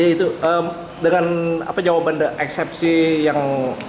itu dengan jawaban eksepsi yang